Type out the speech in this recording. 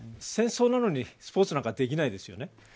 戦争なのにスポーツなんかできないですよね。